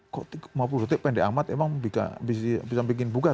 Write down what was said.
kok lima puluh detik pendek amat emang bisa bikin bugar